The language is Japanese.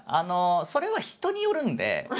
それは人によるんで。